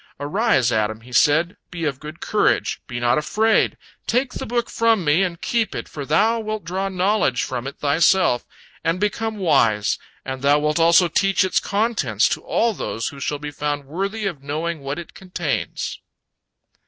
"Arise, Adam," he said, "be of good courage, be not afraid, take the book from me and keep it, for thou wilt draw knowledge from it thyself and become wise, and thou wilt also teach its contents to all those who shall be found worthy of knowing what it contains."